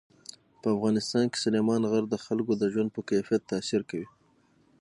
په افغانستان کې سلیمان غر د خلکو د ژوند په کیفیت تاثیر کوي.